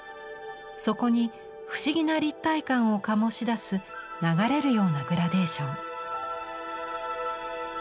そこに不思議な立体感を醸し出す流れるようなグラデーション。